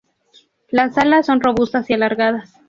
Las alas son robustas y alargadas.